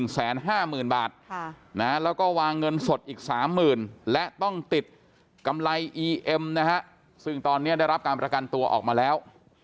แล้วก็วางเงินสดอีก๓๐๐๐และต้องติดกำไรอีเอ็มนะฮะซึ่งตอนนี้ได้รับการประกันตัวออกมาแล้ว